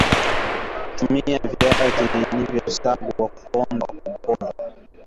tumia Viazi vilivyosagwa pondwa pondwa